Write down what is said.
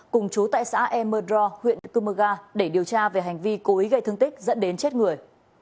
cùng chú tại xã e mơ đro huyện cư mơ ga để điều tra về hành vi cố ý gây thương tích dẫn đến chết người